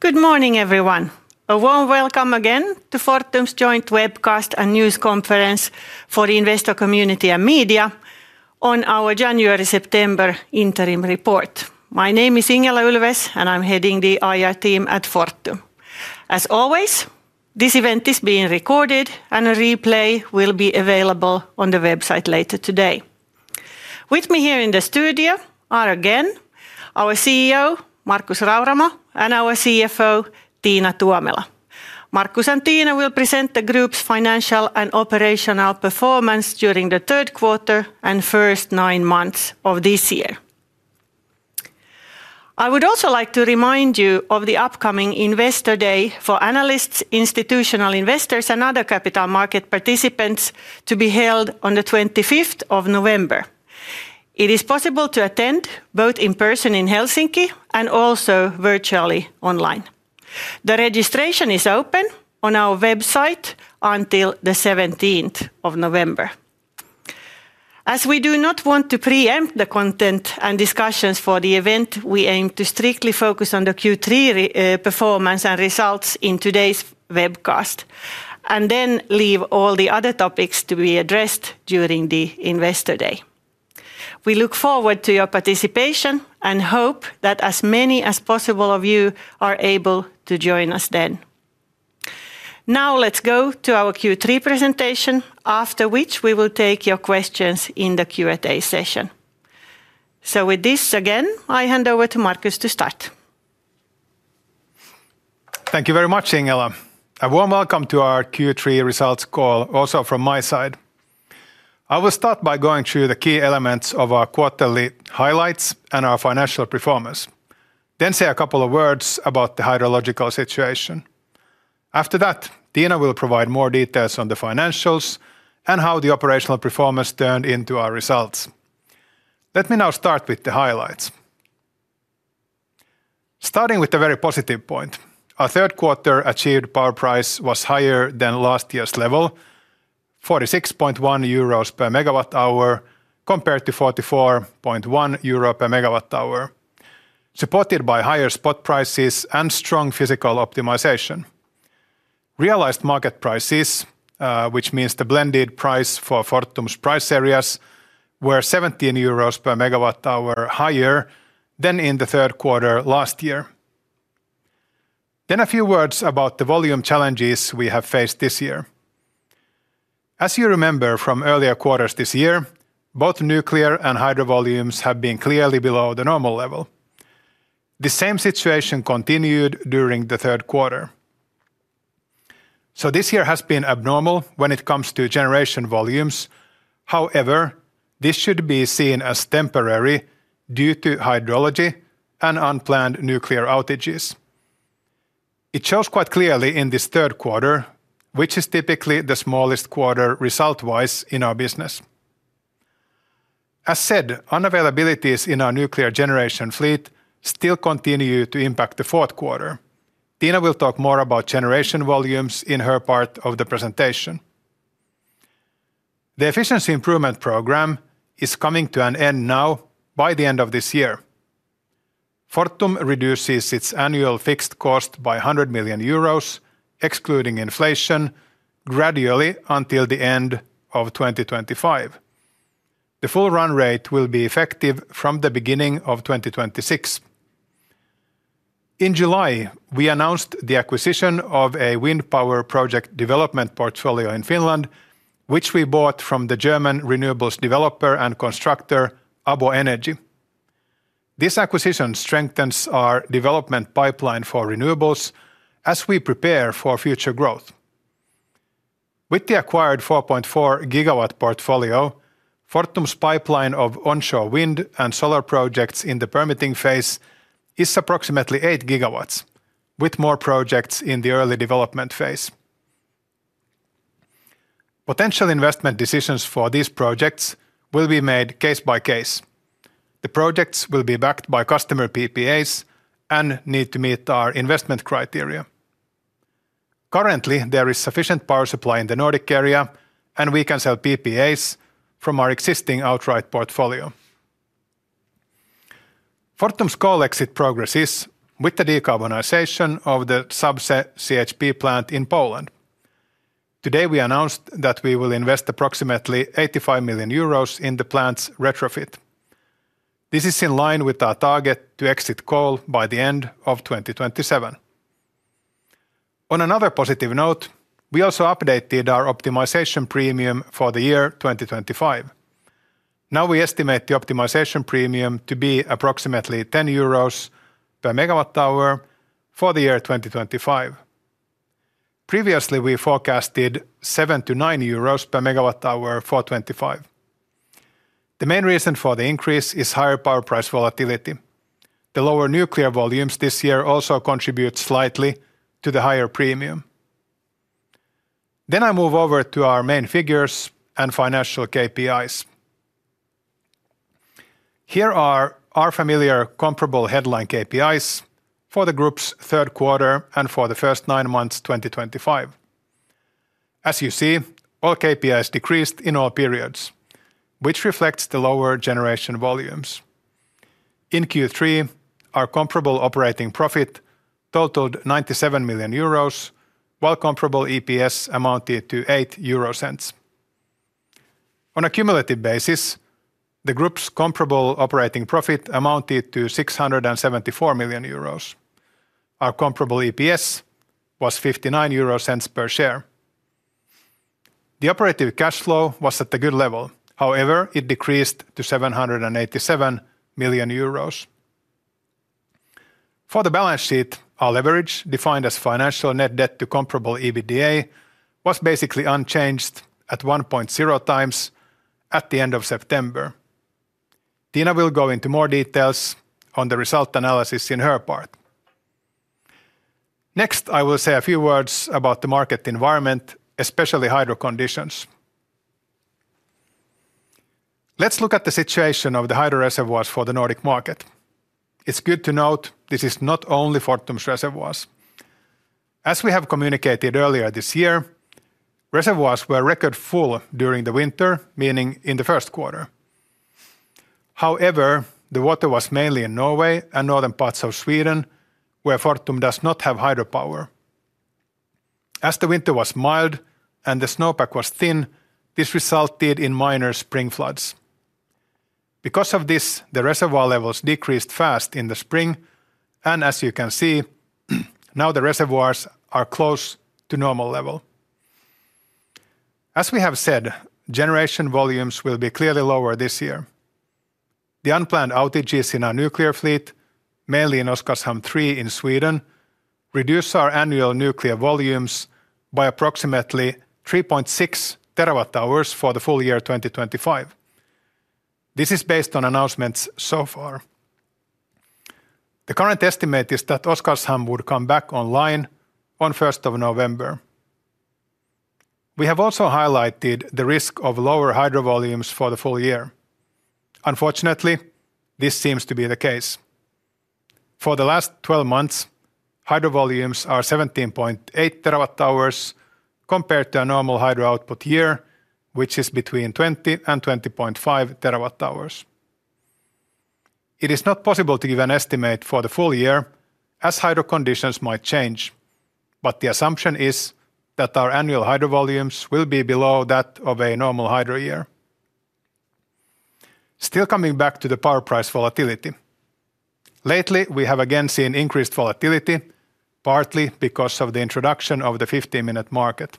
Good morning everyone. A warm welcome again to Fortum's joint webcast and news conference for the investor community and media on our January-September interim report. My name is Ingela Ulfves and I'm heading the IR team at Fortum. As always, this event is being recorded and a replay will be available on the website later today. With me here in the studio are again our CEO Markus Rauramo and our CFO Tiina Tuomela. Markus and Tiina will present the group's financial and operational performance during the third quarter and first nine months of this year. I would also like to remind you of the upcoming Investor Day for analysts, institutional investors, and other capital market participants, to be held on 25th November. It is possible to attend both in person in Helsinki and also virtually online. The registration is open on our website until the 17th of November. As we do not want to preempt the content and discussions for the event, we aim to strictly focus on the Q3 performance and results in today's webcast and then leave all the other topics to be addressed during the Investor Day. We look forward to your participation and hope that as many as possible of you are able to join us. Now let's go to our Q3 presentation, after which we will take your questions in the Q&A session. With this again I hand over to Markus to start. Thank you very much, Ingela. A warm welcome to our Q3 results call also from my side. I will start by going through the key elements of our quarterly highlights and our financial performance. Then say a couple of words about the hydrological situation. After that, Tiina will provide more details on the financials and how the operational performance turned into our results. Let me now start with the highlights. Starting with a very positive point. Our third quarter achieved power price was higher than last year's level, 46.1 euros per megawatt hour compared to 44.1 euro per megawatt hour, supported by higher spot prices and strong physical optimization realized market prices. This means the blended price for Fortum's price areas was 17 euros per megawatt hour higher than in the third quarter last year. A few words about the volume challenges we have faced this year. As you remember from earlier quarters this year, both nuclear and hydro volumes have been clearly below the normal level. The same situation continued during the third quarter. This year has been abnormal when it comes to generation volumes. However, this should be seen as temporary due to hydrology and unplanned nuclear outages. It shows quite clearly in this third quarter, which is typically the smallest quarter result wise in our business. As said, unavailabilities in our nuclear generation fleet still continue to impact the fourth quarter. Tiina will talk more about generation volumes in her part of the presentation. The efficiency improvement program is coming to an end now. By the end of this year, Fortum reduces its annual fixed cost by 100 million euros excluding inflation gradually until the end of 2025. The full run rate will be effective from the beginning of 2026. In July, we announced the acquisition of a wind power project development portfolio in Finland, which we bought from the German renewables developer and constructor ABO Energy. This acquisition strengthens our development pipeline for renewables as we prepare for future growth with the acquired 4.4 GW portfolio. Fortum's pipeline of onshore wind and solar projects in the permitting phase is approximately 8 GW with more projects in the early development phase. Potential investment decisions for these projects will be made case by case. The projects will be backed by customer PPAs and need to meet our investment criteria. Currently there is sufficient power supply in the Nordic area and we can sell PPAs from our existing outright portfolio. Fortum's coal exit progresses with the decarbonization of the Zabrze CHP plant in Poland. Today we announced that we will invest approximately 85 million euros in the plant's retrofit. This is in line with our target to exit coal by the end of 2027. On another positive note, we also updated our optimization premium for the year 2025. Now we estimate the optimization premium to be approximately 10 euros per megawatt hour for the year 2025. Previously, we forecasted EUR 7-EUR 9 per megawatt hour. The main reason for the increase is higher power price volatility. The lower nuclear volumes this year also contribute slightly to the higher premium. I move over to our main figures and financial KPIs. Here are our familiar comparable headline KPIs for the group's third quarter and for the first nine months of 2025. As you see, all KPIs decreased in all periods, which reflects the lower generation volumes. In Q3, our comparable operating profit totaled 97 million euros, while comparable EPS amounted to 0.08. On a cumulative basis, the group's comparable operating profit amounted to 674 million euros. Our comparable EPS was 0.59 per share. The operative cash flow was at a good level. However, it decreased to 787 million euros. For the balance sheet, our leverage defined as financial net debt to comparable EBITDA was basically unchanged at 1.0x at the end of September. Tiina will go into more details on the result analysis in her part. Next I will say a few words about the market environment, especially hydro conditions. Let's look at the situation of the hydro reservoirs for the Nordic market. It's good to note this is not only for Fortum's reservoirs. As we have communicated earlier this year, reservoirs were record full during the winter, meaning in the first quarter. However, the water was mainly in Norway and northern parts of Sweden where Fortum does not have hydropower. As the winter was mild and the snowpack was thin, this resulted in minor spring floods. Because of this, the reservoir levels decreased fast in the spring and as you can see now the reservoirs are close to normal level. As we have said, generation volumes will be clearly lower this year. The unplanned outages in our nuclear fleet, mainly in Oskarshamn 3 in Sweden, reduce our annual nuclear volumes by approximately 3.6 TWh for the full year 2025. This is based on announcements so far. The current estimate is that Oskarshamn would come back online on 1st of November. We have also highlighted the risk of lower hydro volumes for the full year. Unfortunately, this seems to be the case. For the last 12 months, hydro volumes are 17.8 TWh compared to a normal hydro output year, which is between 20 TWh and 20.5 TWh. It is not possible to give an estimate for the full year as hydro conditions might change. The assumption is that our annual hydro volumes will be below that of a normal hydro year. Still, coming back to the power price volatility, lately we have again seen increased volatility, partly because of the introduction of the 15-minute market.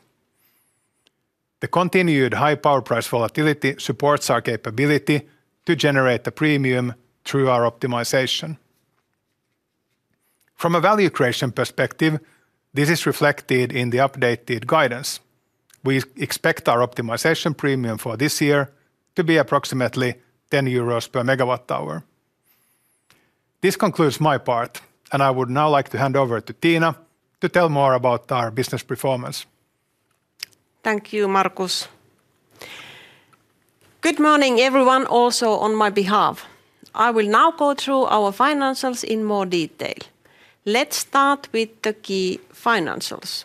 The continued high power price volatility supports our capability to generate a premium through our optimization from a value creation perspective. This is reflected in the updated guidance. We expect our optimization premium for this year to be approximately 10 euros per megawatt hour. This concludes my part and I would now like to hand over to Tiina to tell more about our business performance. Thank you, Markus. Good morning everyone. Also, on my behalf, I will now go through our financials in more detail. Let's start with the key financials.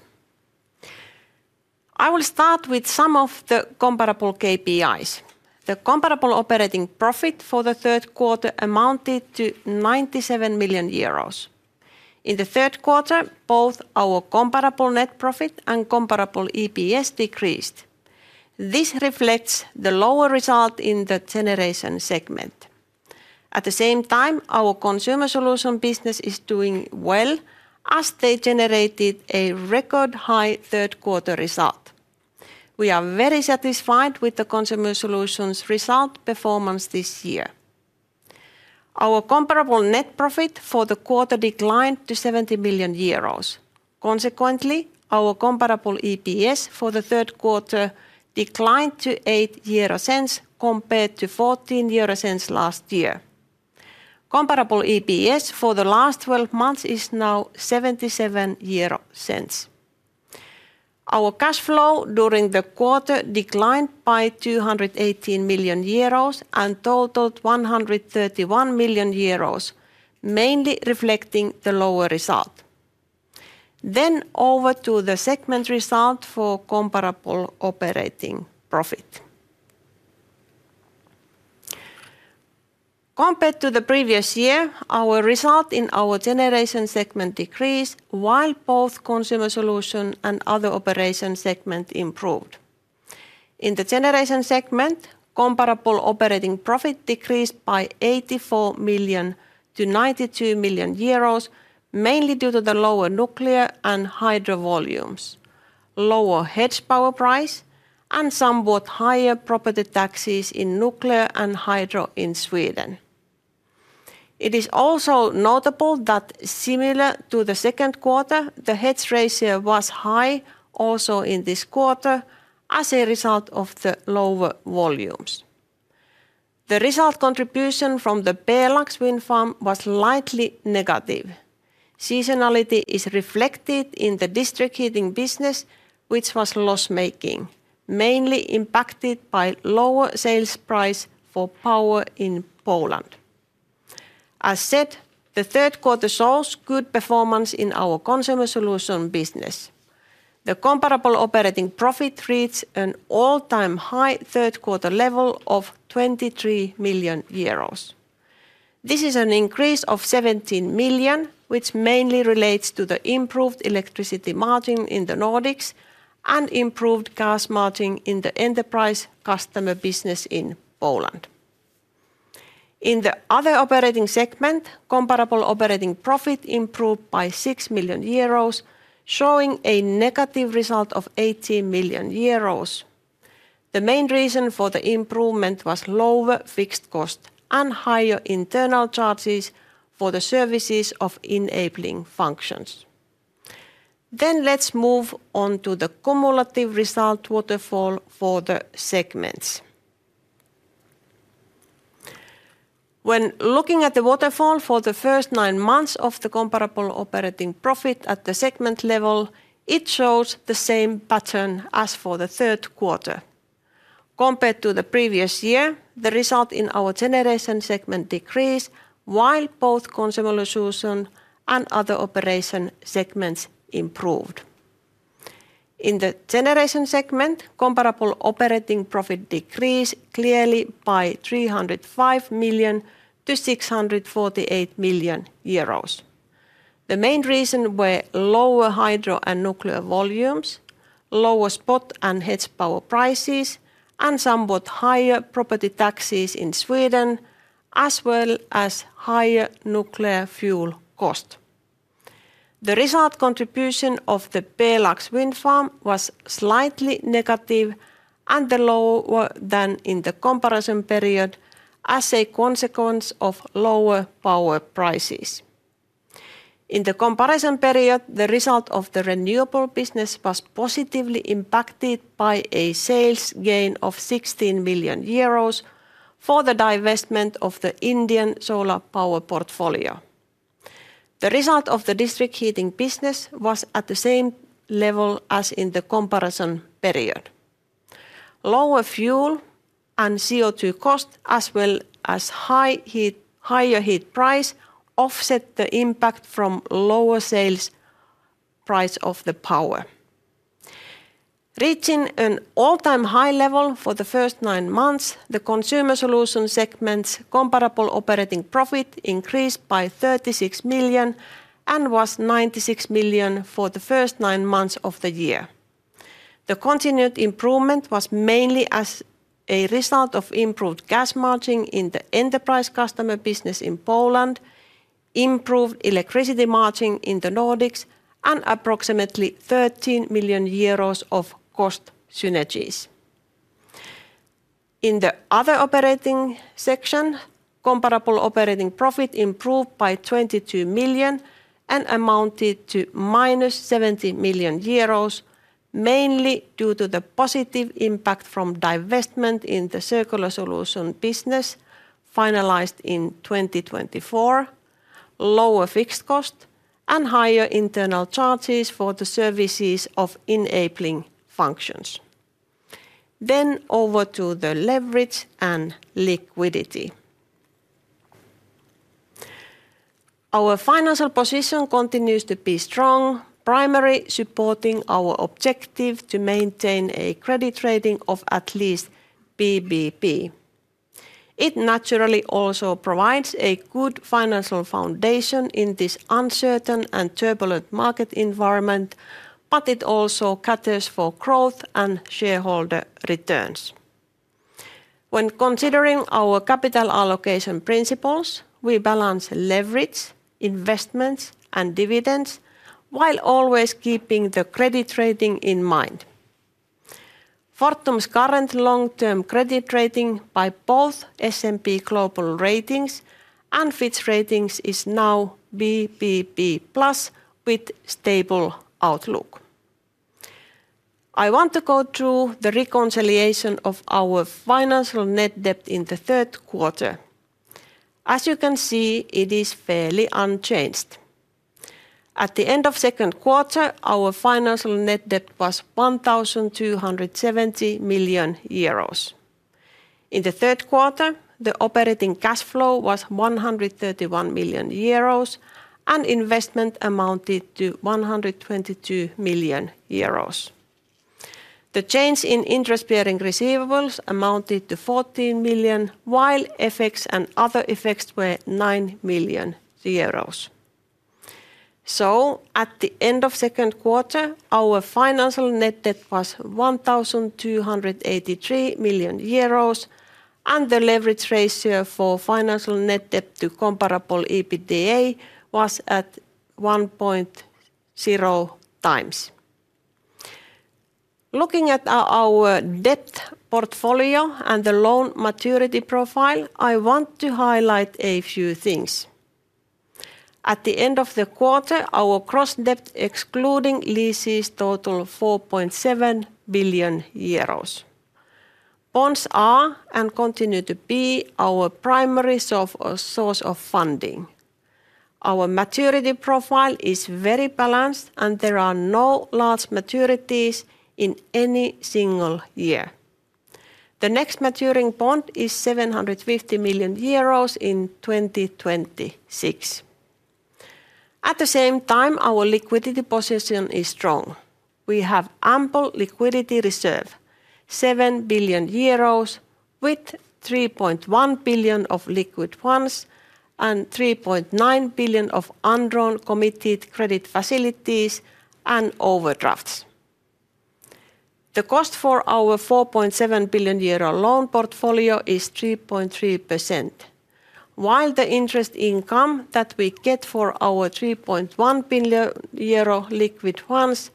I will start with some of the comparable KPIs. The comparable operating profit for the third quarter amounted to 97 million euros. In the third quarter, both our comparable net profit and comparable EPS decreased. This reflects the lower result in the generation segment. At the same time, our consumer solutions business is doing well as they generated a record high third quarter result. We are very satisfied with the consumer solutions result performance this year. Our comparable net profit for the quarter declined to 70 million euros. Consequently, our comparable EPS for the third quarter declined to 0.08 compared to 0.14 last year. Comparable EPS for the last 12 months is now 0.77. Our cash flow during the quarter declined by 218 million euros and totaled 131 million euros, mainly reflecting the lower result. Over to the segment result for comparable operating profit compared to the previous year. Our result in our generation segment decreased while both consumer solutions and other operations segment improved. In the generation segment, comparable operating profit decreased by 84 million to 92 million euros, mainly due to the lower nuclear and hydro volumes, lower hedge power price, and somewhat higher property taxes in nuclear and hydro in Sweden. It is also notable that similar to the second quarter, the hedge ratio was high also in this quarter. As a result of the lower volumes, the result contribution from the Pjelax wind farm was slightly negative. Seasonality is reflected in the district heating business, which was loss making, mainly impacted by lower sales price for power in Poland. As said, the third quarter saw good performance in our consumer solutions business. The comparable operating profit reached an all-time high third quarter level of 23 million euros. This is an increase of 17 million, which mainly relates to the improved electricity margin in the Nordics and improved gas margin in the enterprise customer business in Poland. In the other operating segment, comparable operating profit improved by 6 million euros, showing a negative result of 80 million euros. The main reason for the improvement was lower fixed cost and higher internal charges for the services of enabling functions. Let's move on to the cumulative result waterfall for the segments. When looking at the waterfall for the first nine months of the comparable operating profit at the segment level, it shows the same pattern as for the third quarter. Compared to the previous year, the result in our Generation segment decreased while both Consumer Solutions and Other Operations segments improved. In the Generation segment, comparable operating profit decreased clearly by 305 million to 648 million euros. The main reasons were lower hydro and nuclear volumes, lower spot and hedge power prices, and somewhat higher property taxes in Sweden, as well as higher nuclear fuel cost. The result contribution of the Pjelax wind farm was slightly negative and lower than in the comparison period. As a consequence of lower power prices in the comparison period, the result of the renewable business was positively impacted by a sales gain of 16 million euros for the divestment of the Indian solar power portfolio. The result of the district heating business was at the same level as in the comparison period. Lower fuel and CO2 cost as well as higher heat price offset the impact from lower sales price of the power, reaching an all-time high level. For the first nine months, the Consumer Solutions segment's comparable operating profit increased by 36 million and was 96 million for the first nine months of the year. The continued improvement was mainly as a result of improved gas margin in the enterprise customer business in Poland, improved electricity margin in the Nordics, and approximately 13 million euros of cost synergies. In the Other Operations section, comparable operating profit improved by 22 million and amounted to -70 million euros, mainly due to the positive impact from divestment in the recycling and waste business finalized in 2024, lower fixed cost, and higher internal charges for the services of enabling functions. Over to the leverage and liquidity, our financial position continues to be strong, primarily supporting our objective to maintain a credit rating of at least BBB. It naturally also provides a good financial foundation in this uncertain and turbulent market environment, but it also caters for growth and shareholder returns. When considering our capital allocation principles, we balance leverage, investments, and dividends while always keeping the credit rating in mind. Fortum's current long-term credit rating by both S&P Global Ratings and Fitch Ratings is now BBB+ with stable outlook. I want to go through the reconciliation of our financial net debt in the third quarter. As you can see, it is fairly unchanged. At the end of the second quarter, our financial net debt was 1.270 billion euros. In the third quarter, the operating cash flow was 131 million euros and investment amounted to 122 million euros. The change in interest-bearing receivables amounted to 14 million, while FX and other effects were 9 million euros. At the end of the second quarter, our financial net debt was 1.283 billion euros and the leverage ratio for financial net debt to comparable EBITDA was at 1.0x. Looking at our debt portfolio and the loan maturity profile, I want to highlight a few things. At the end of the quarter, our gross debt excluding leases totaled 4.7 billion euros. Bonds are and continue to be our primary source of funding. Our maturity profile is very balanced and there are no large maturities in any single year. The next maturing bond is 750 million euros in 2026. At the same time, our liquidity position is strong. We have ample liquidity reserve, 7 billion euros, with 3.1 billion of liquid ones and 3.9 billion of undrawn committed credit facilities and overdrafts. The cost for our 4.7 billion euro loan portfolio is 3.3%, while the interest income that we get for our 3.1 billion euro liquid ones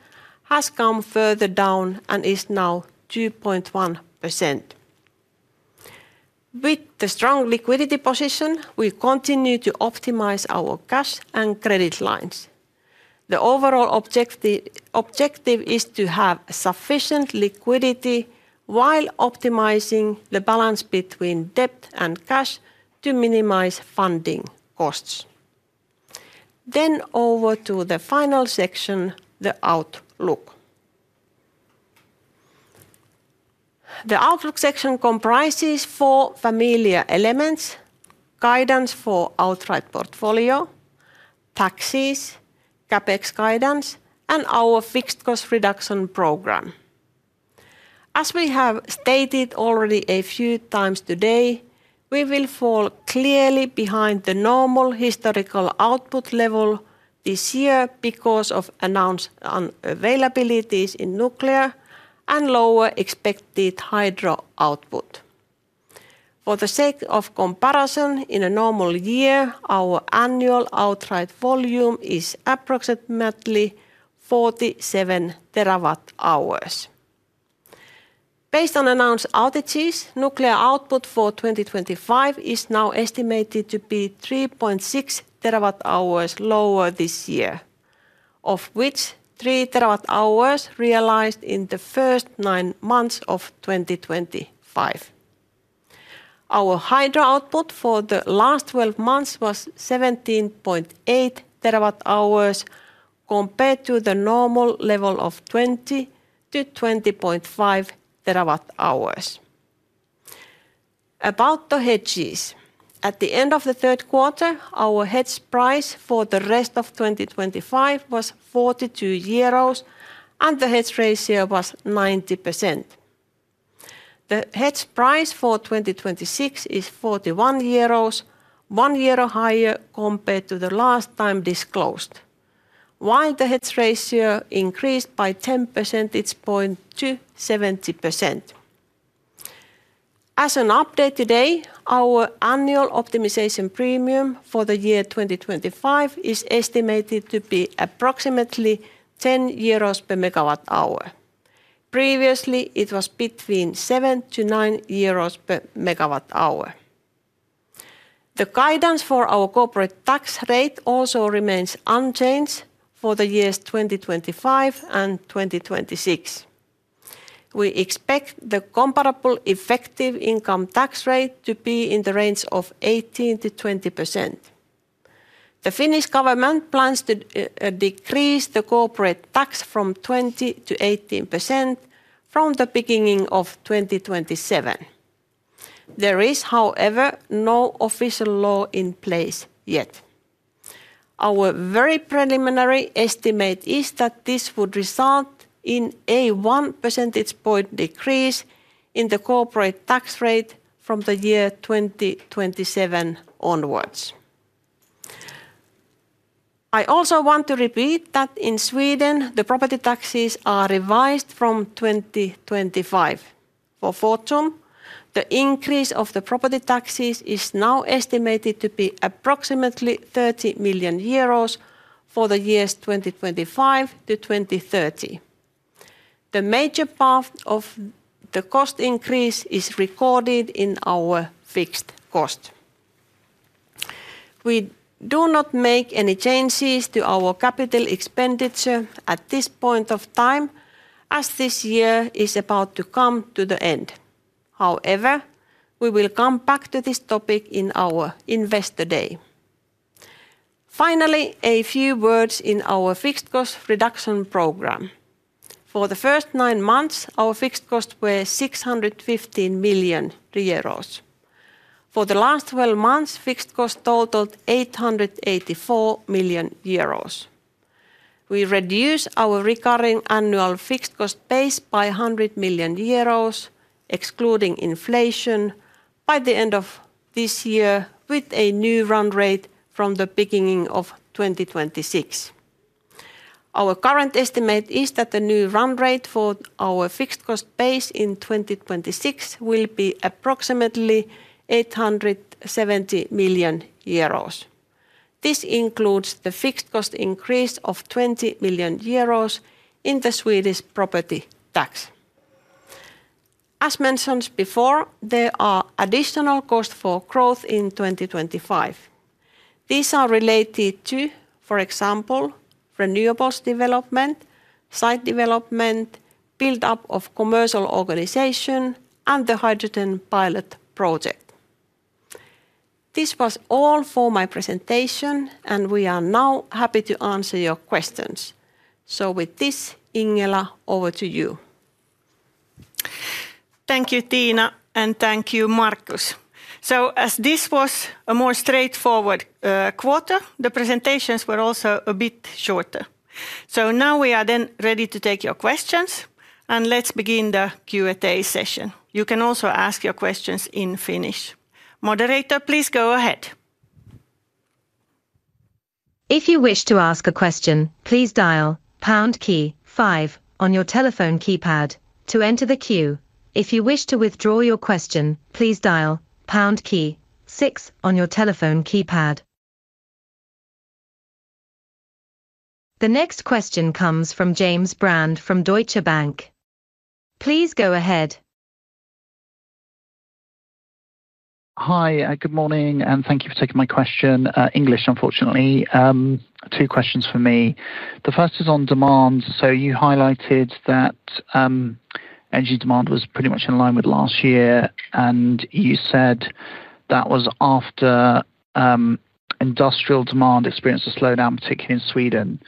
has come further down and is now 2.1%. With the strong liquidity position, we continue to optimize our cash and credit lines. The overall objective is to have sufficient liquidity while optimizing the balance between debt and cash to minimize funding costs. Over to the final section, the outlook. The outlook section comprises four familiar elements: guidance for outright portfolio, taxes, CapEx guidance, and our fixed cost reduction program. As we have stated already a few times today, we will fall clearly behind the normal historical output level this year because of announced unavailabilities in nuclear and lower expected hydro output. For the sake of comparison, in a normal year our annual outright volume is approximately 47 TWh. Based on announced outages, nuclear output for 2025 is now estimated to be 3.6 TWh lower this year, of which 3 TWh realized in the first nine months of 2025. Our hydro output for the last 12 months was 17.8 TWh compared to the normal level of 20 TWh-20.5 TWh. About the hedges at the end of the third quarter, our hedge price for the rest of 2025 was 42 euros and the hedge ratio was 90%. The hedge price for 2026 is 41 euros, one year or higher compared to the last time disclosed, while the hedge ratio increased by 10 percentage points to 70%. As an update today, our annual optimization premium for the year 2025 is estimated to be approximately 10 euros per megawatt hour. Previously, it was between 7-9 euros per megawatt hour. The guidance for our corporate tax rate also remains unchanged for the years 2025 and 2026. We expect the comparable effective income tax rate to be in the range of 18%-20%. The Finnish government plans to decrease the corporate tax from 20% to 18% from the beginning of 2027. There is, however, no official law in place yet. Our very preliminary estimate is that this would result in a 1 percentage point decrease in the corporate tax rate from the year 2027 onwards. I also want to repeat that in Sweden the property taxes are revised from 2025. For Fortum, the increase of the property taxes is now estimated to be approximately 30 million euros for the years 2025-2030. The major part of the cost increase is recorded in our fixed cost. We do not make any changes to our capital expenditure at this point in time. As this year is about to come to the end, we will come back to this topic in our Investor Day. Finally, a few words. In our fixed cost reduction program for the first nine months, our fixed costs were 615 million euros. For the last 12 months, fixed costs totaled 884 million euros. We reduce our recurring annual fixed cost base by 100 million euros, excluding inflation, by the end of this year with a new run rate from the beginning of 2026. Our current estimate is that the new run rate for our fixed cost base in 2026 will be approximately 870 million euros. This includes the fixed cost increase of 20 million euros in the Swedish property tax. As mentioned before, there are additional costs for growth in 2025. These are related to, for example, renewables development, site development, build up of commercial organization, and the hydrogen pilot project. This was all for my presentation and we are now happy to answer your questions. With this, Ingela, over to you. Thank you, Tiina, and thank you, Markus. As this was a more straightforward quarter, the presentations were also a bit shorter. Now we are then ready to take your questions, and let's begin the Q&A session. You can also ask your questions in Finnish. Moderator, please go ahead. If you wish to ask a question, please dial on your telephone keypad to enter the queue. If you wish to withdraw your question, please dial 6 on your telephone keypad. The next question comes from James Brand from Deutsche Bank. Please go ahead. Hi, good morning and thank you for taking my question. English unfortunately, two questions for me. The first is on demand. You highlighted that energy demand was pretty much in line with last year, and you said that was after industrial demand experienced a slowdown, particularly in Sweden.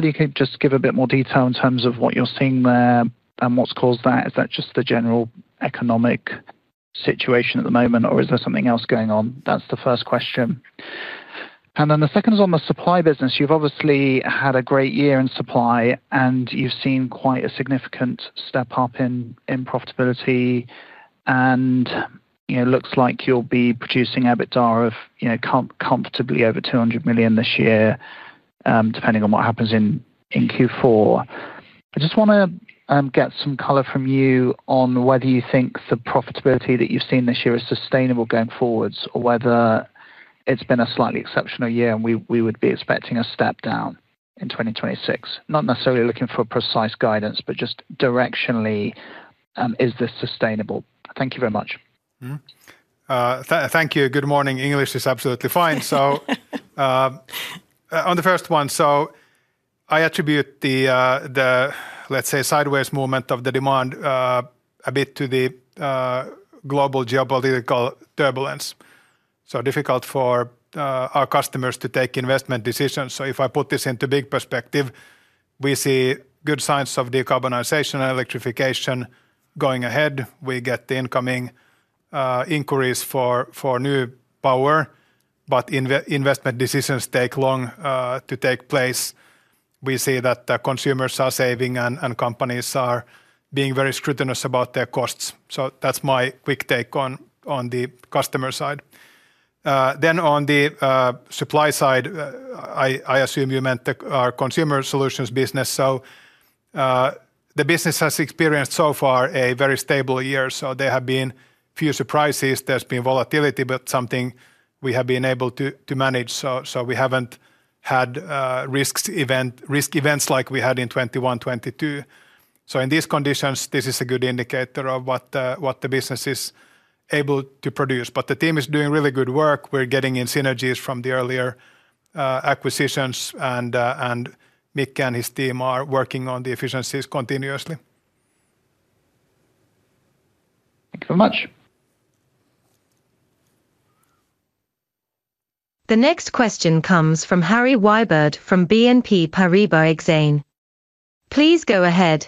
Could you just give a bit more detail in terms of what you're seeing there and what's caused that? Is that just the general economic situation at the moment, or is there something else going on? That's the first question. The second is on the supply business. You've obviously had a great year in supply and you've seen quite a significant step up in profitability. It looks like you'll be producing EBITDA of comfortably over 200 million this year, depending on what happens in Q4. I just want to get some color from you on whether you think the profitability that you've seen this year is sustainable going forwards, or whether it's been a slightly exceptional year and we would be expecting a step down in 2026. Not necessarily looking for precise guidance, but just directionally is this sustainable? Thank you very much. Thank you. Good morning. English is absolutely fine. On the first one, I attribute the, let's say, sideways movement of the demand a bit to the global geopolitical turbulence, as it is difficult for our customers to take investment decisions. If I put this into big perspective, we see good signs of decarbonization and electrification going ahead. We get the incoming inquiries for new power, but investment decisions take long to take place. We see that consumers are saving and companies are being very scrutinous about their costs. That's my quick take on the customer side. On the supply side, I assume you meant our consumer solutions business. The business has experienced so far a very stable year. There have been few surprises. There's been volatility, but something we have been able to manage. We haven't had risk events like we had in 2021-2022. In these conditions, this is a good indicator of what the business is able to produce. The team is doing really good work. We're getting in synergies from the earlier acquisitions and Mick and his team are working on the efficiencies continuously. Thank you very much. The next question comes from Harry Wyburd from BNP Paribas Exane. Please go ahead.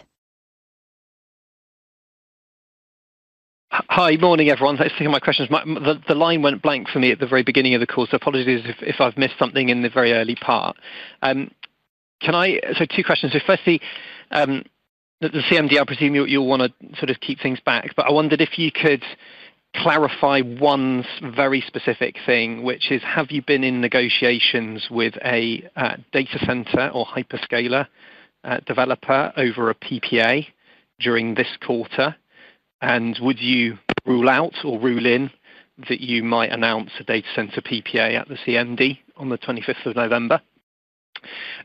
Hi. Morning, everyone. Thanks for my questions. The line went blank for me at the very beginning of the call. Apologies if I've missed something in the very early part. Two questions. Firstly, the CMD, I presume you'll want to sort of keep things back, but I wondered if you could clarify one very specific thing, which is have you been in negotiations with a data center or hyperscaler developer over a PPA during this quarter and would you rule out or rule in that you might announce a data center PPA at the CMD or on the 25th of November?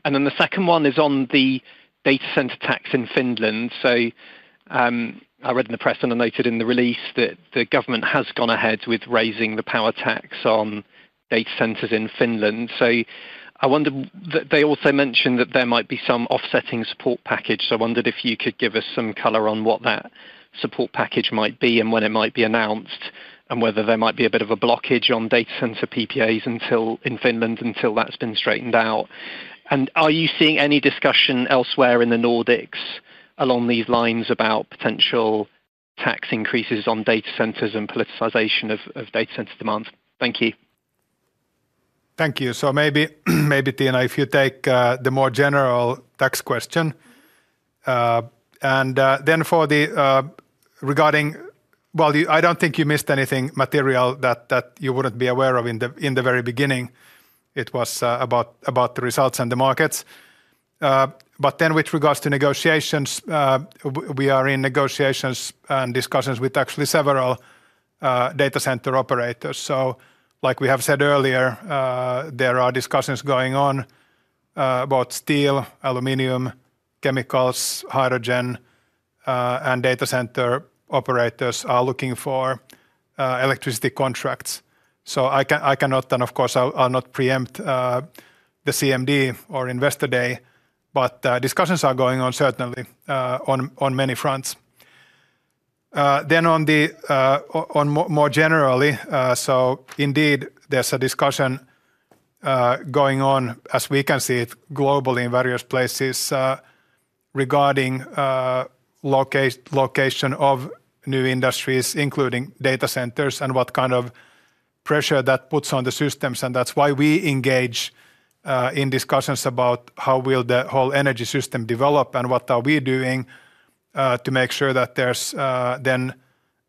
The second one is on the data center tax in Finland. I read in the press and I noted in the release that the government has gone ahead with raising the power tax on data centers in Finland. They also mentioned that there might be some offsetting support package, so I wondered if you could give us some color on what that support package might be and when it might be announced and whether there might be a bit of a blockage on data center PPAs in Finland until that's been straightened out. Are you seeing any discussion elsewhere in the Nordics along these lines about potential tax increases on data centers and politicization of data center demand? Thank you. Thank you. Maybe, Tiina, if you take the more general tax question and then for the regarding, I don't think you missed anything material that you wouldn't be aware of. In the very beginning it was about the results and the markets. With regards to negotiations, we are in negotiations and discussions with actually several data center operators. Like we have said earlier, there are discussions going on about steel, aluminium, chemicals, hydrogen, and data center operators are looking for electricity contracts. I cannot, of course, I'll not preempt the CMD or investor day, but discussions are going on certainly on many fronts. More generally, indeed there's a discussion going on, as we can see it, globally, in various places regarding location of new industries, including data centers, and what kind of pressure that puts on the systems. That's why we engage in discussions about how will the whole energy system develop and what are we doing to make sure that there's then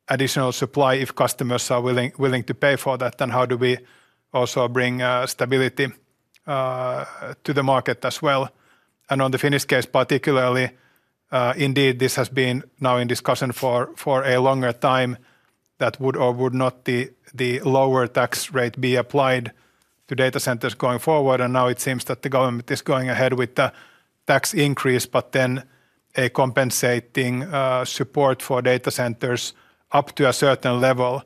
additional supply. If customers are willing to pay for that, then how do we also bring stability to the market as well? On the Finnish case particularly, indeed this has been now in discussion for a longer time. That would or would not the lower tax rate be applied to data centers going forward? Now it seems that the government is going ahead with the tax increase, but then a compensating support for data centers up to a certain level.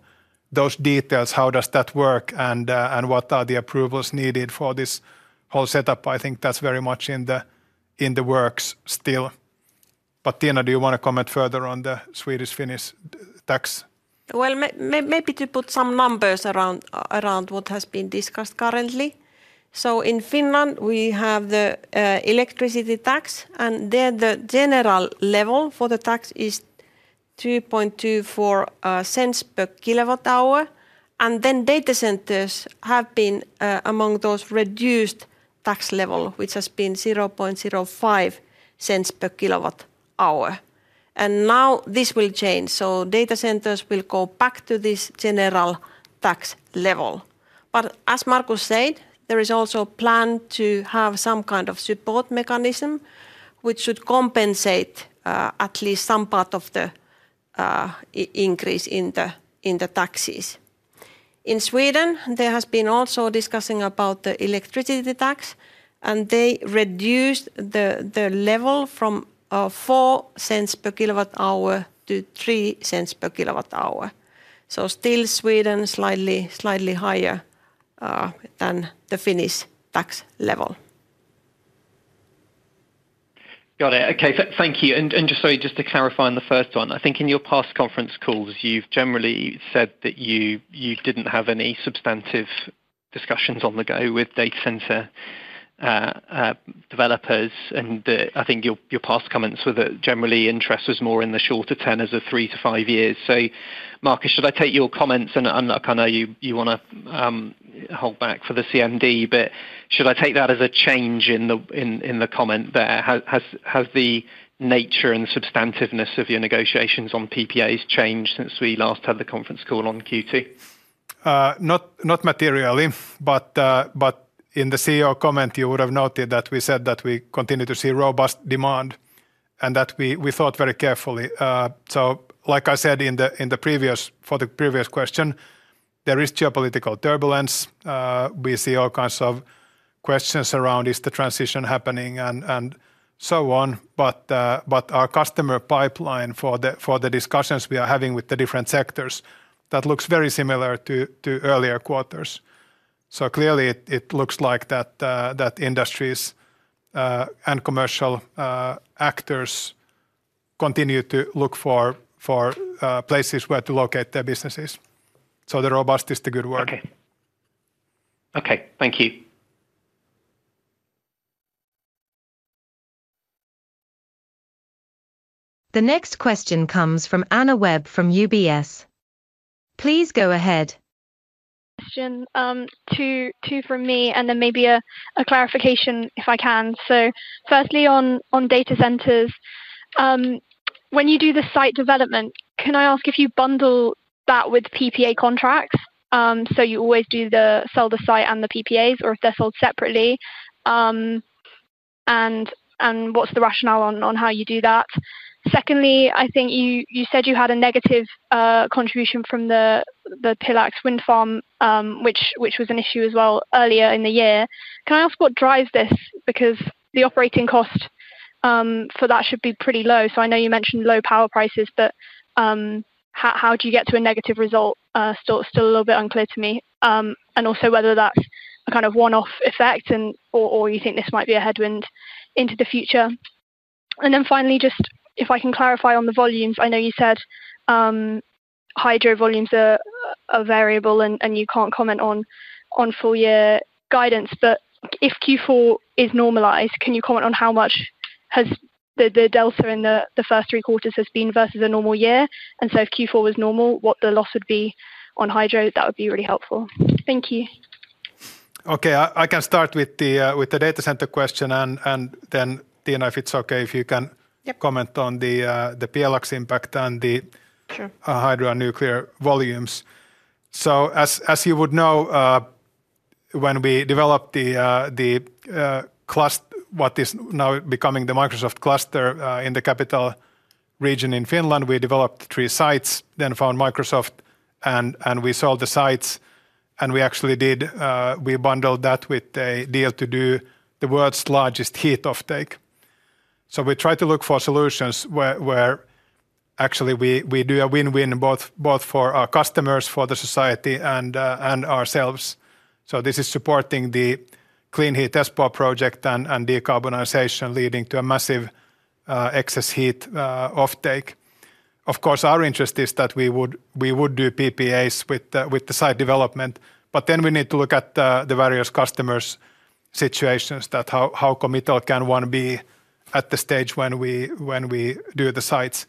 Those details, how does that work and what are the approvals needed for this whole setup? I think that's very much in the works still. Tiina, do you want to comment further on the Swedish Finnish tax? Maybe to put some numbers around what has been discussed currently. In Finland we have the electricity tax, and the general level for the tax is 0.0224 per kilowatt hour. Data centers have been among those with a reduced tax level, which has been 0.0005 per kilowatt hour. This will change, so data centers will go back to this general tax level. As Markus said, there is also a plan to have some kind of support mechanism, which should compensate at least some part of the increase in the taxes. In Sweden there has also been discussion about the electricity tax, and they reduced the level from 0.04 per kilowatt hour to 0.03 per kilowatt hour. Sweden is still slightly higher than the Finnish tax level. Got it. Okay, thank you. Just to clarify, on the first one, I think in your past conference calls you've generally said that you didn't have any substantive discussions on the go with datacenter developers. I think your past comments were that generally interest was more in the shorter tenors, as in three to five years. Markus, should I take your comments and you want to hold back for the CMD, but should I take that as a change in the comment there? Has the nature and substantiveness of your negotiations on PPAs changed since we last had the conference call on Q2? Not materially, but in the CEO comment you would have noted that we said that we continue to see robust demand and that we thought very carefully. Like I said for the previous question, there is geopolitical turbulence. We see all kinds of questions around is the transition happening and so on. Our customer pipeline for the discussions we are having with the different sectors looks very similar to earlier quarters. It looks like industries and commercial actors continue to look for places where to locate their businesses. Robust is the good word. Okay. Okay, thank you. The next question comes from Anna Webb from UBS. Please go ahead. Question two from me and then maybe a clarification if I can. Firstly, on data centers, when you do the site development, can I ask if you bundle that with PPA contracts? Do you always do the sell of the site and the PPAs, or are they sold separately, and what's the rationale on how you do that? Secondly, I think you said you had a negative contribution from the Pjelax wind farm, which was an issue as well earlier in the year. Can I ask what drives this? The operating cost for that should be pretty low. I know you mentioned low power prices, but how do you get to a negative result? It's still a little bit unclear to me. Also, is that a kind of one-off effect, or do you think this might be a headwind into the future? Finally, just if I can clarify on the volumes. I know you said hydro volumes are variable and you can't comment on full year guidance, but if Q4 is normalized, can you comment on how much the delta in the first three quarters has been versus a normal year, and if Q4 was normal, what the loss would be on hydro? That would be really helpful, thank you. Okay, I can start with the data center question and then Tiina, if it's okay if you can comment on the PLX impact and the hydro nuclear volumes. As you would know, when we developed what is now becoming the Microsoft cluster in the capital region in Finland, we developed three sites, then found Microsoft and we sold the sites and we actually did, we bundled that with a deal to do the world's largest heat offtake. We tried to look for solutions where actually we do a win-win both for our customers, for the society, and ourselves. This is supporting the Clean Heat Espoo project and decarbonization leading to a massive excess heat offtake. Of course, our interest is that we would do PPAs with the site development, but then we need to look at the various customers' situations, how committal can one be at the stage when we do the sites?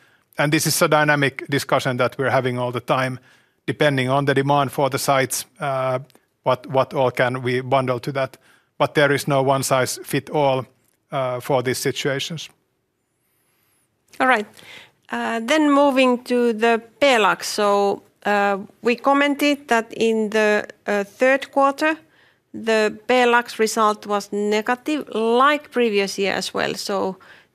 This is a dynamic discussion that we're having all the time depending on the demand for the sites, what all can we bundle to that? There is no one size fits all for these situations. All right, then moving to the Pjelax. We commented that in the third quarter the Pjelax result was negative like previous year as well.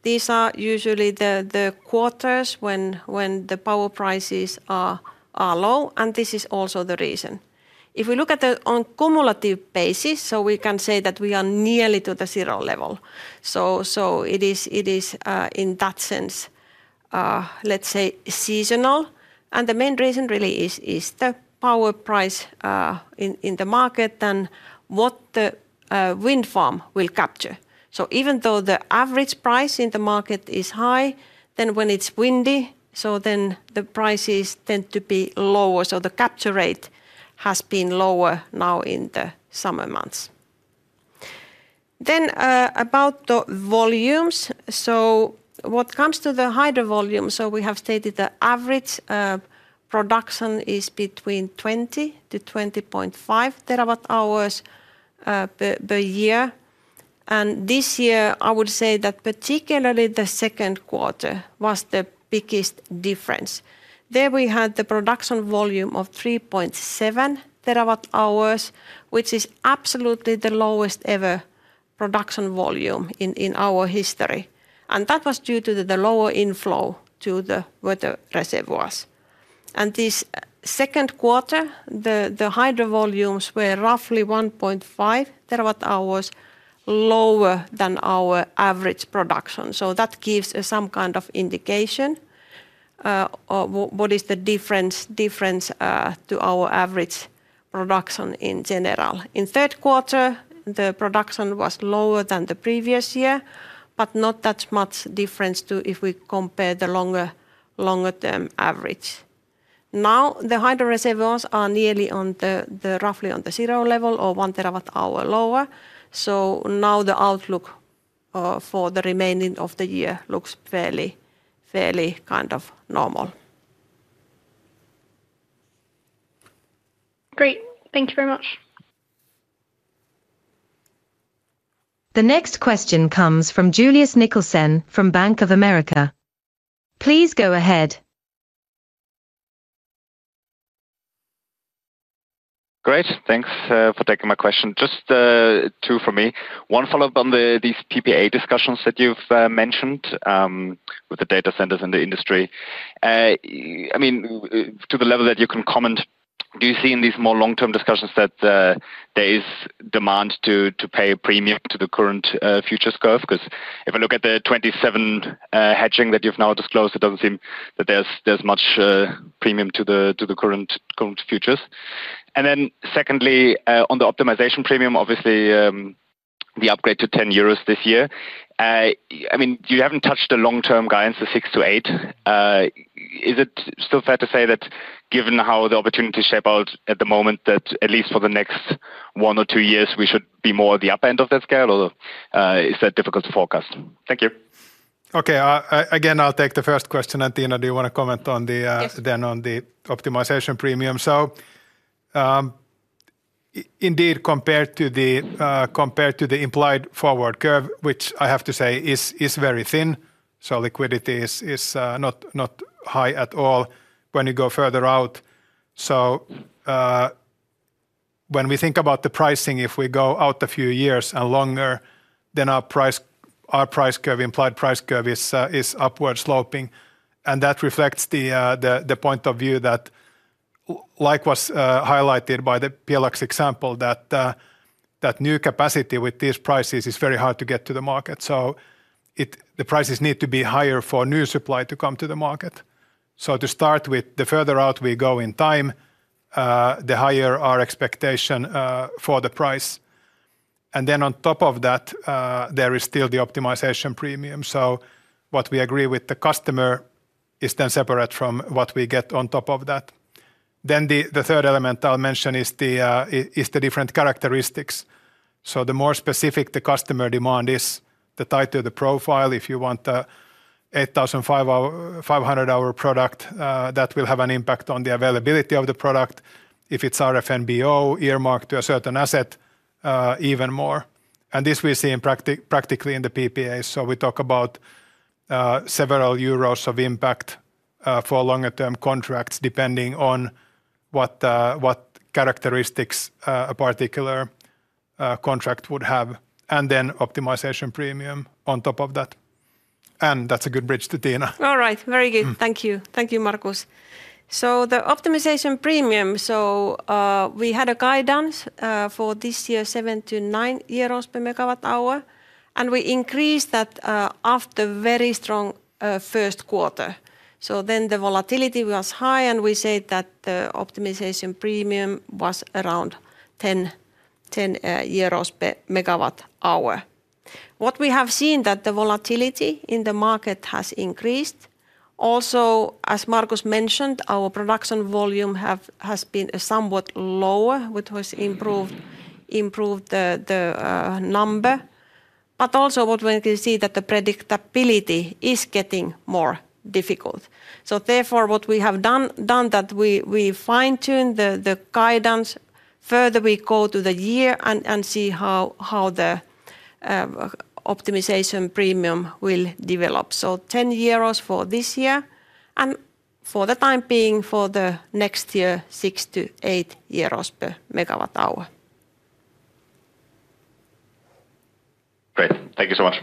These are usually the quarters when the power prices are low. This is also the reason if we look at it on cumulative basis, we can say that we are nearly to the zero level. It is in that sense, let's say, seasonal. The main reason really is the power price in the market than what the wind farm will capture. Even though the average price in the market is high, when it's windy, the prices tend to be lower. The capture rate has been lower. Now in the summer months, about the volumes, what comes to the hydro volume? We have stated the average production is between 20 TWh-20.5 TWh per year. This year I would say that particularly the second quarter was the biggest difference. There we had the production volume of 3.7 TWh, which is absolutely the lowest ever production volume in our history. That was due to the lower inflow to the water reservoirs. This second quarter the hydro volumes were roughly 1.5 TWh lower than our average production. That gives us some kind of indication what is the difference to our average production in general. In third quarter the production was lower than the previous year, but not that much difference if we compare the longer term average. Now the hydro reservoirs are nearly roughly on the zero level or 1 TWh lower. The outlook for the remaining of the year looks fairly, fairly kind of normal. Great, thank you very much. The next question comes from Julius Nickelsen from Bank of America. Please go ahead. Great, thanks for taking my question. Just two for me. One, follow up on these PPAs discussions that you've mentioned with the data centers in the industry. I mean to the level that you can comment, do you see in these more long-term discussions that there is demand to pay a premium to the current futures curve? Because if I look at the 2027 hedging that you've now disclosed, it doesn't seem that there's much premium to the current futures. Secondly, on the optimization premium, obviously the upgrade to 10 euros this year, you haven't touched a long-term guidance of 6-8. Is it still fair to say that given how the opportunities shape out at the moment, that at least for the next one or two years we should be more at the upper end of that scale or is that difficult to forecast? Thank you. Okay, again, I'll take the first question. Tiina, do you want to comment on the optimization premium? Indeed, compared to the implied forward curve, which I have to say is very thin, liquidity is not high at all when you go further out. When we think about the pricing, if we go out a few years and longer, then our price curve, implied price curve, is upward sloping. That reflects the point of view that, like was highlighted by the PLX example, new capacity with these prices is very hard to get to the market. The prices need to be higher for new supply to come to the market. To start with, the further out we go in time, the higher our expectation for the price. On top of that, there is still the optimization premium. What we agree with the customer is then separate from what we get. On top of that, the third element I'll mention is the different characteristics. The more specific the customer demand is, the tighter the profile. If you want 8,500 hour product, that will have an impact on the availability of the product. If it's RFNBO earmarked to a certain asset, even more. This we see practically in the PPAs. We talk about several euros of impact for longer term contracts, depending on what characteristics a particular contract would have and then optimization premium on top of that. That's a good bridge to Tiina. All right, very good, thank you. Thank you, Markus. The optimization premium, we had a guidance for this year, 7-9 euros per megawatt hour. We increased that after a very strong first quarter. The volatility was high and we said that the optimization premium was around 10 euros per megawatt hour. What we have seen is that the volatility in the market has increased. Also, as Markus mentioned, our production volume has been somewhat lower, which has improved the number. What we can see is that the predictability is getting more difficult. Therefore, what we have done is fine-tune the guidance further. We go to the year-end and see how the optimization premium will develop. 10 euros for this year and, for the time being, for next year, 6-8 euros per megawatt hour. Great, thank you so much.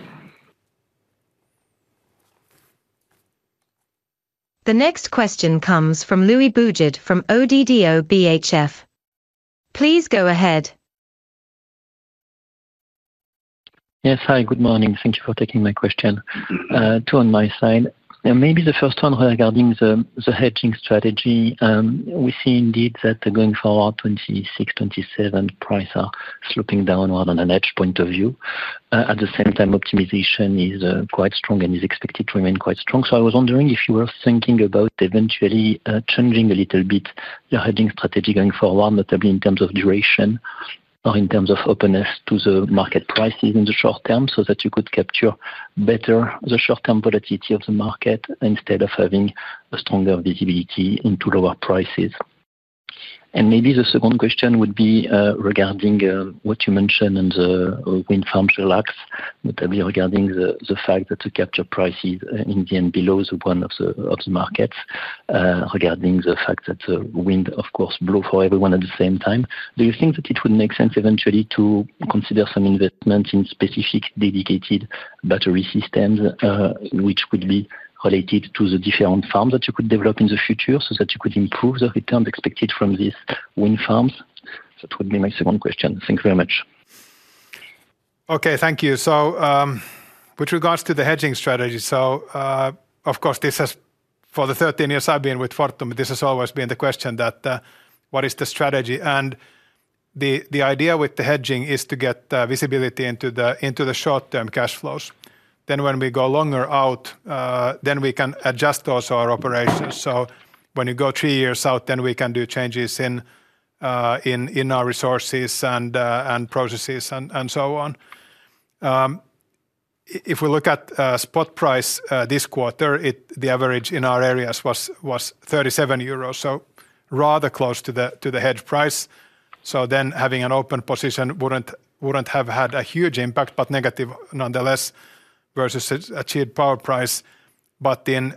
The next question comes from Louis Boujard from ODDO BHF. Please go ahead. Yes, hi, good morning. Thank you for taking my question. Two on my side, maybe the first one. Regarding the hedging strategy, we see indeed that going forward 2026, 2027 prices are sloping downward on a hedge point of view. At the same time, optimization is quite strong and is expected to remain quite strong. I was wondering if you were thinking about eventually changing a little bit your hedging strategy going forward, notably in terms of duration or in terms of openness to the market prices in the short term, so that you could capture better the short term volatility of the market instead of having a stronger visibility into lower prices. Maybe the second question would be regarding what you mentioned and the wind farms relax. Regarding the fact that the capture prices in the end are below 1 of the markets, regarding the fact that the wind of course blows for everyone. At the same time, do you think that it would make sense eventually to consider some investment in specific dedicated battery systems which would be related to the different farms that you could develop in the future, so that you could improve the returns expected from these wind farms? That would be my second question. Thank you very much. Okay, thank you so much. With regards to the hedging strategy, this has, for the 13 years I've been with Fortum, always been the question: what is the strategy? The idea with the hedging is to get visibility into the short-term cash flows. When we go longer out, we can adjust also our operations. When you go three years out, we can do changes in our resources and processes and so on. If we look at spot price this quarter, the average in our areas was 37 euros, so rather close to the hedge price. Having an open position wouldn't have had a huge impact, but negative nonetheless versus achieved power price.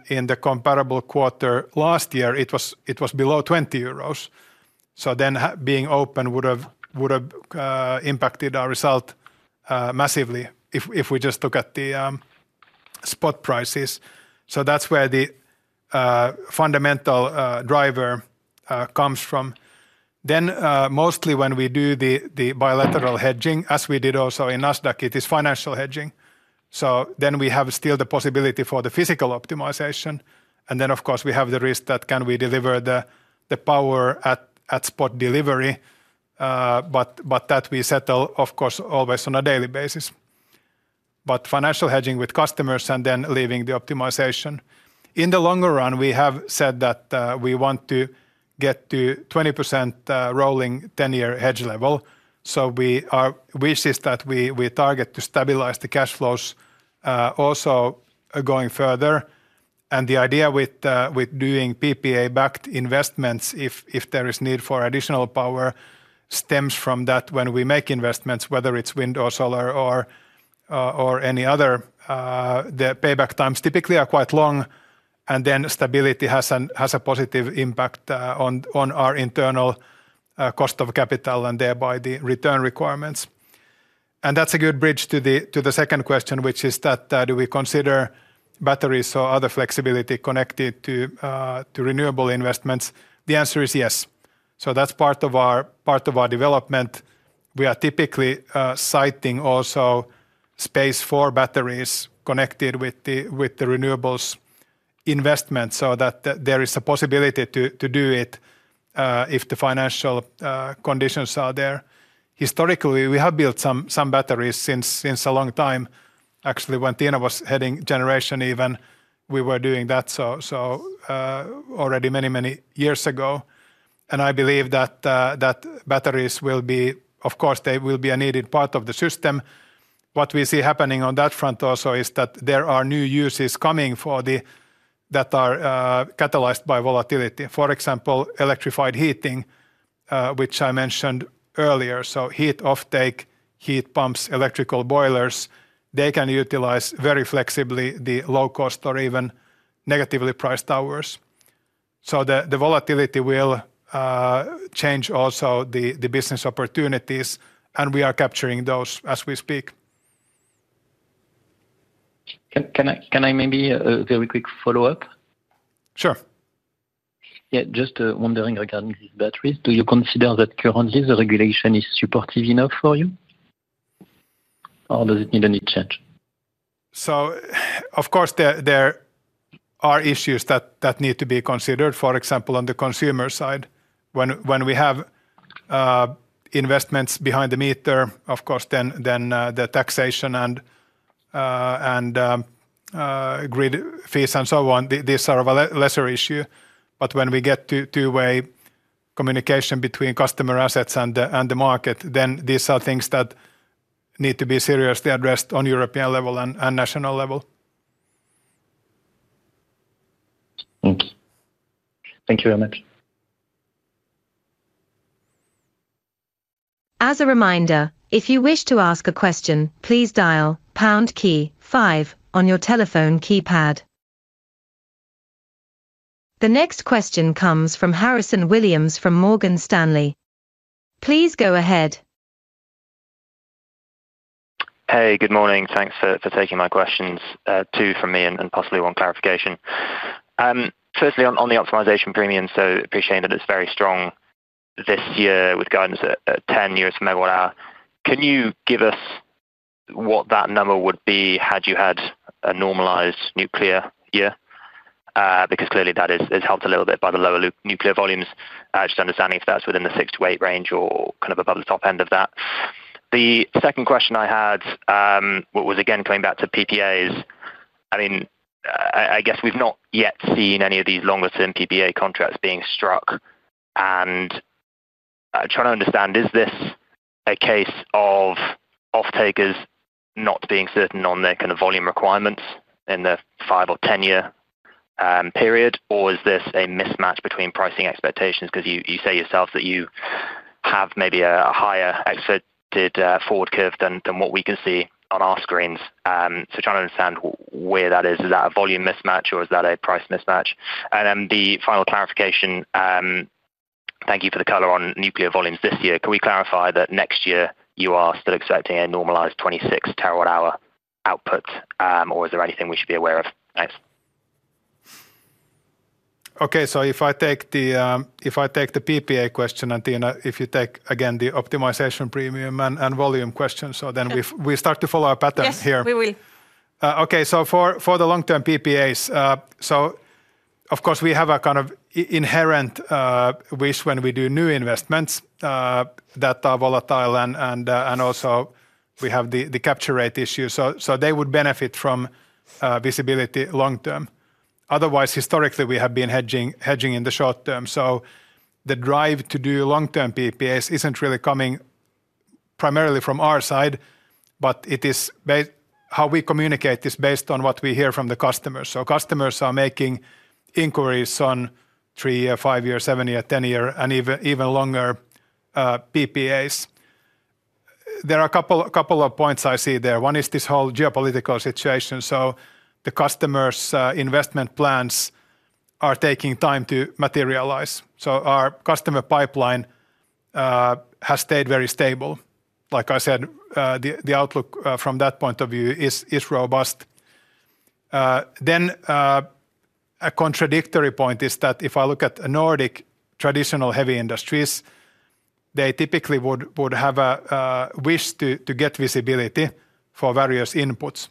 In the comparable quarter last year, it was below 20 euros, so being open would have impacted our result massively if we just look at the spot prices. That's where the fundamental driver comes from. Mostly when we do the bilateral hedging, as we did also in Nasdaq, it is financial hedging. We have still the possibility for the physical optimization. Of course, we have the risk that can we deliver the power at spot delivery, but that we settle, of course, always on a daily basis. Financial hedging with customers and then leaving the optimization in the longer run. We have said that we want to get to 20% rolling 10-year hedge level. Our wish is that we target to stabilize the cash flows also going further, and the idea with doing PPA backed investments if there is need for additional power stems from that. When we make investments, whether it's wind or solar or any other, the payback times typically are quite long and then stability has a positive impact on our internal cost of capital and thereby the return requirements. That's a good bridge to the second question, which is that do we consider batteries or other flexibility connected to renewable investments? The answer is yes. That's part of our development. We are typically citing also space for batteries connected with the renewables investment so that there is a possibility to do it if the financial conditions are there. Historically, we have built some batteries since a long time. Actually, when Tiina was heading generation even we were doing that, so already many, many years ago. I believe that batteries will be, of course, a needed part of the system. What we see happening on that front also is that there are new uses coming that are catalyzed by volatility. For example, electrified heating, which I mentioned earlier, so heat offtake, heat pumps, electrical boilers, they can utilize very flexibly the low cost or even negatively priced hours. The volatility will change also the business opportunities and we are capturing those as we speak. Can I maybe very quick follow up? Sure, yeah. Just wondering, regarding batteries, do you consider that currently the regulation is supportive enough for you, or does it need any change? There are issues that need to be considered. For example, on the consumer side, when we have investments behind the meter, then the taxation and grid fees and so on are of a lesser issue. When we get to two-way communication between customer assets and the market, these are things that need to be seriously addressed on European level and national level. Thank you very much. As a reminder, if you wish to ask a question, please dial key 5 on your telephone keypad. The next question comes from Harrison Williams from Morgan Stanley. Please go ahead. Hey, good morning. Thanks for taking my questions. Two from me and possibly one clarification. Firstly, on the optimization premium, I appreciate that it's very strong this year with guidance at 10 per megawatt hour. Can you give us what that number would be had you had a normalized nuclear year? Because clearly that is helped a little bit by the lower nuclear volumes. Just understanding if that's within the 6-8 range or kind of above the top end of that. The second question I had was again coming back to PPAs. I mean, I guess we've not yet seen any of these longer term PPA contracts being struck. Trying to understand, is this a case of off takers not being certain on their volume requirements in the five or ten year period, or is this a mismatch between pricing expectations? Because you say yourself that you have maybe a higher exit forward curve than what we can see on our screens. Trying to understand where that is. Is that a volume mismatch or is that a price mismatch? The final clarification, thank you for the color on nuclear volumes this year. Can we clarify that next year you are still expecting a normalized 26 TWh output, or is there anything we should be aware of? Thanks. Okay, if I take the PPA question, And Tiina, if you take again the optimization, premium, and volume question, we start to follow a pattern here. We will. Okay, for the long term PPAs, we have a kind of inherent wish when we do new investments that are volatile and also we have the capture rate issue, so they would benefit from visibility long term otherwise. Historically, we have been hedging in the short term. The drive to do long term PPAs isn't really coming primarily from our side, it is how we communicate based on what we hear from the customers. Customers are making inquiries on 3 year, 5 year, 7 year, 10 year, and even longer PPAs. There are a couple of points I see there. One is this whole geopolitical situation. The customers' investment plans are taking time to materialize, so our customer pipeline has stayed very stable. Like I said, the outlook from that point of view is robust. A contradictory point is that if I look at Nordic traditional heavy industries, they typically would have a wish to get visibility for various inputs,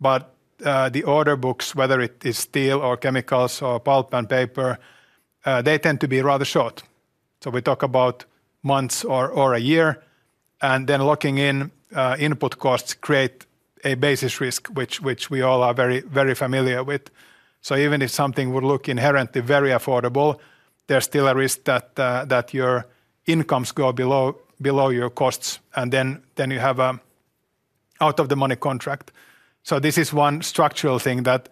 but the order books, whether it is steel or chemicals or pulp and paper, tend to be rather short. We talk about months or a year, and then locking in input costs creates a basis risk which we all are very, very familiar with. Even if something would look inherently very affordable, there's still a risk that your incomes go below your costs and then you have an out of the money contract. This is one structural thing that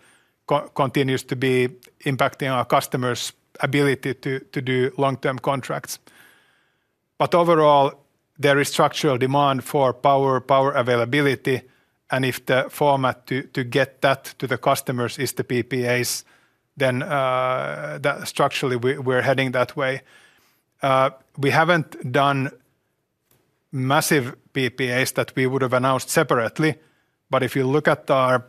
continues to be impacting our customers' ability to do long term contracts. Overall, there is structural demand for power, power availability. If the format to get that to the customers is the PPAs, then structurally we're heading that way. We haven't done massive PPAs that we would have announced separately. If you look at our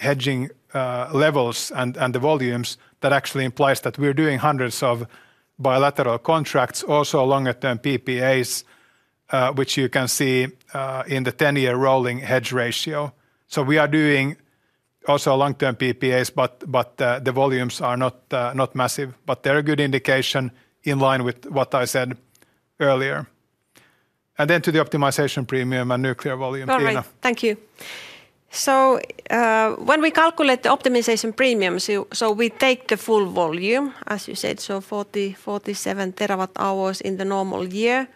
hedging levels and the volumes, that actually implies that we're doing hundreds of bilateral contracts, also longer term PPAs, which you can see in the 10 year rolling hedge ratio. We are doing also long term PPAs, but the volumes are not massive, but they're a good indication in line with what I said earlier. Then to the optimization premium and nuclear volume. Thank you. When we calculate the optimization premium, we take the full volume as you said, so 40 TWh, 47 TWh in the normal year.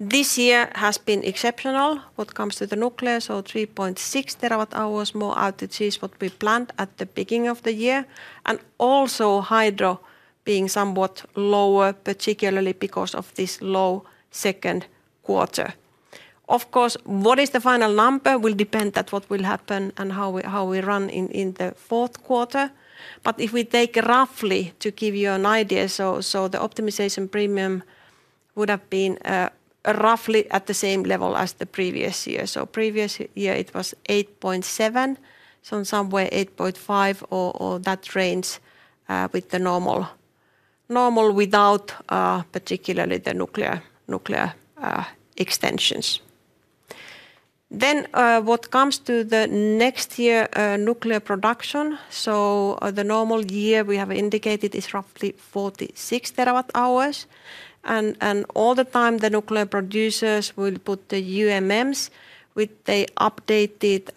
This year has been exceptional when it comes to the nuclear, so 3.6 TWh more outages than what we planned at the beginning of the year, and also hydro being somewhat lower, particularly because of this low second quarter. Of course, what the final number will be will depend on what will happen and how we run in the fourth quarter. If we take roughly to give you an idea, the optimization premium would have been roughly at the same level as the previous year. Previous year it was 8.7, so somewhere 8.5 or that range with the normal, normal without particularly the nuclear extensions. Then what comes to the next year nuclear production, the normal year we have indicated is roughly 46 TWh, and all the time the nuclear producers will put the UMMs with the updated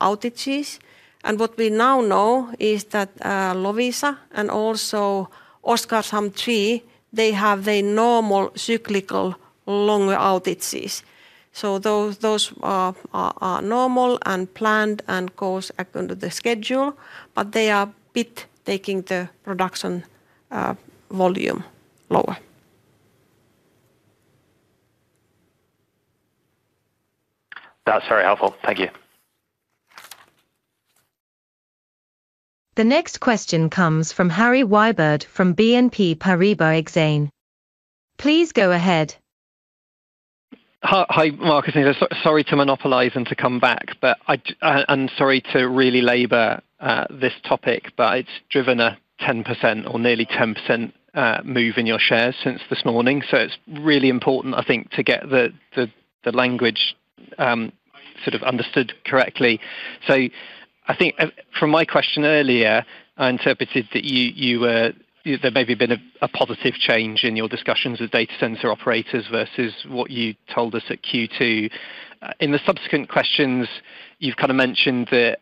outages. What we now know is that Loviisa and also Oskarshamn 3, they have their normal cyclical longer outages. Those are normal and planned and go according to the schedule, but they are a bit taking the production volume lower. That's very helpful, thank you. The next question comes from Harry Wyburd from BNP Paribas Exane, please go ahead. Hi Markus, sorry to monopolize and to come back, but I'm sorry to really labor this topic, but it's driven a 10% or nearly 10% move in your shares since this morning. It's really important, I think, to get the language sort of understood correctly. I think from my question earlier, I interpreted that maybe there's been a positive change in your discussions with data center operators versus what you told us at Q2. In the subsequent questions, you've kind of mentioned that,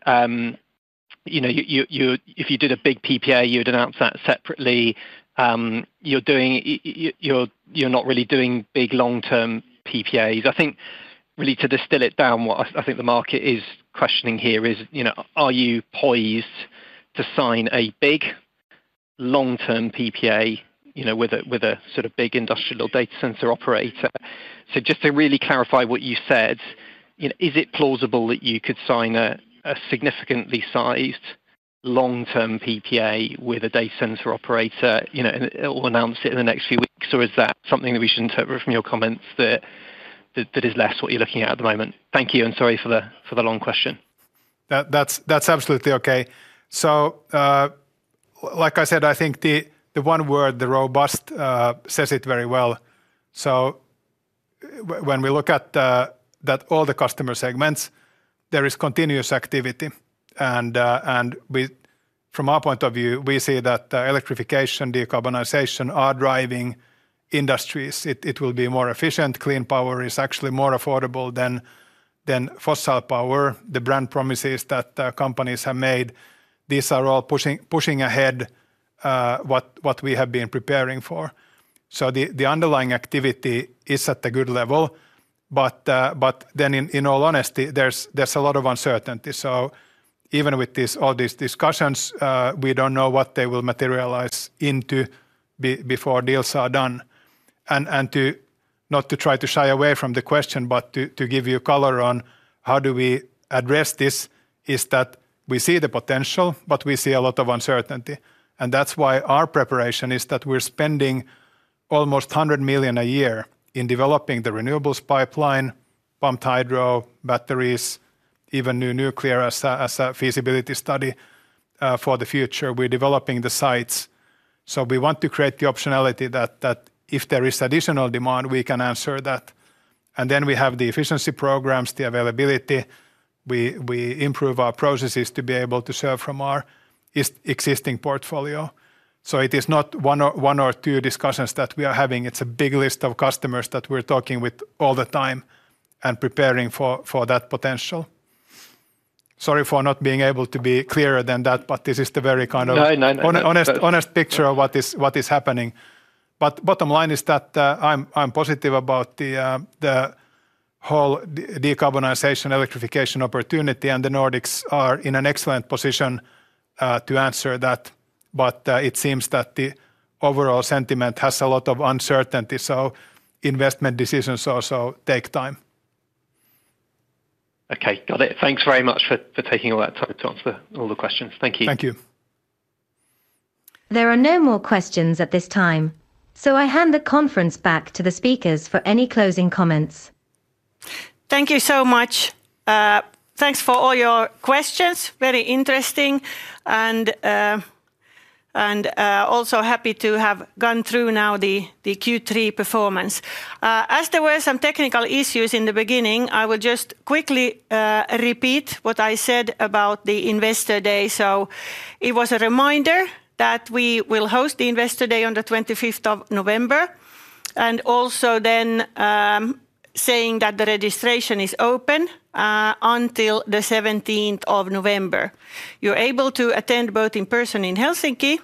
you know, if you did a big PPA, you would announce that separately. You're doing, you're doing, you're not really doing big long-term PPAs. I think really to distill it down, what I think the market is questioning here is, you know, are you poised to sign a big long-term PPA, you know, with a sort of big industrial data center operator. Just to really clarify what you said, is it plausible that you could sign a significantly sized long-term PPA with a data center operator, you know, announce it in the next few weeks, or is that something that we should interpret from your comments that that is less what you're looking at at the moment? Thank you, and sorry for the long question. That's absolutely okay. Like I said, I think the one word, robust, says it very well. When we look at all the customer segments, there is continuous activity and from our point of view we see that electrification and decarbonization are driving industries. It will be more efficient, clean power is actually more affordable than fossil power. The brand promises that companies have made, these are all pushing ahead what we have been preparing for. The underlying activity is at a good level. In all honesty, there's a lot of uncertainty. Even with all these discussions, we don't know what they will materialize into before deals are done. Not to try to shy away from the question, but to give you color on how we address this is that we see the potential, but we see a lot of uncertainty. That's why our preparation is that we're spending almost 100 million a year in developing the renewables pipeline, pumped hydro, batteries, even new nuclear as a feasibility study for the future. We're developing the sites. We want to create the optionality that if there is additional demand we can answer that and then we have the efficiency programs, the availability, we improve our processes to be able to serve from our existing portfolio. It is not one or two discussions that we are having. It's a big list of customers that we're talking with all the time and preparing for that potential. Sorry for not being able to be clearer than that, but this is the very kind of honest picture of what is happening. The bottom line is that I'm positive about the whole decarbonization and electrification opportunity and the Nordics are in an excellent position to answer that. It seems that the overall sentiment has a lot of uncertainty. Investment decisions also take time. Okay, got it. Thanks very much for taking all that time to answer all the questions. Thank you. Thank you. There are no more questions at this time. I hand the conference back to the speakers for any closing comments. Thank you so much. Thanks for all your questions. Very interesting and also happy to have gone through now the Q3 performance as there were some technical issues in the beginning. I will just quickly repeat what I said about the Investor Day. It was a reminder that we will host the Investor Day on the 25th of November, and also then saying that the registration is open until the 17th of November. You're able to attend both in person in Helsinki.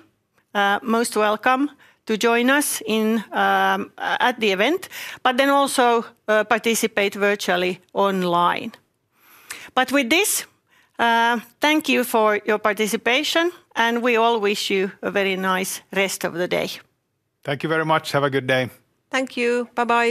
Most welcome to join us at the event, but then also participate virtually online. Thank you for your participation and we all wish you a very nice rest of the day. Thank you very much. Have a good day. Thank you. Bye bye.